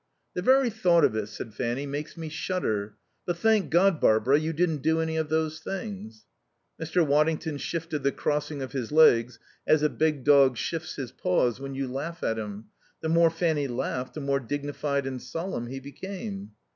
"The very thought of it," said Fanny, "makes me shudder. But thank God, Barbara, you didn't do any of those things." Mr. Waddington shifted the crossing of his legs as a big dog shifts his paws when you laugh at him; the more Fanny laughed the more dignified and solemn he became.